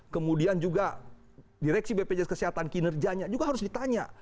kemudian juga direksi bpjs kesehatan kinerjanya juga harus ditanya